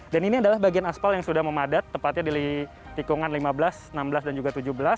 dan ini adalah bagian aspal yang sudah memadat tempatnya di tikungan lima belas enam belas dan juga tujuh belas